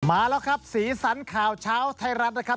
มาแล้วครับสีสันข่าวเช้าไทยรัฐนะครับ